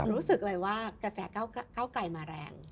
รู้สึกเลยว่ากระแสก้าวไกลมาแรง